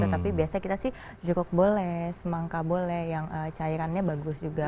tapi biasanya kita sih jukuk boleh semangka boleh yang cairannya bagus juga